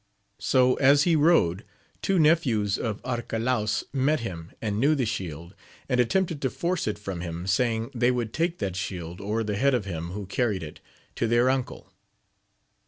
So as he rode, two nephews of Arcalaus met him and knew the shield, and attempted to force it from him, saying they would take that shield, or the head of him who carried it, to their uncle.